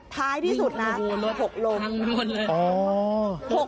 ท้ายที่สุดนะ๖ล้นอ๋อโอ้